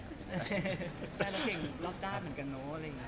แต่เก่งรอบด้านเหมือนกันเนอะ